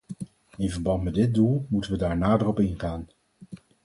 In verband met dit doel moeten we daar nader op ingaan.